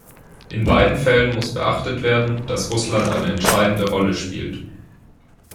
In beiden Fällen muss beachtet werden, dass Russland eine entscheidende Rolle spielt.